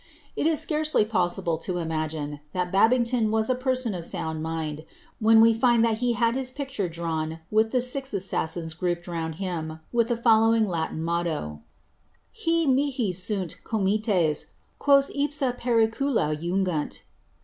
It is scarcely possible lo imagine thai Babinglou was i person of sound mind, when we lind that he had his picture dnwn with the six assassins grouped round him with the following L«tiD "Hi ntilii mni aimittt juoi ipia pcrinila j'ungnnl."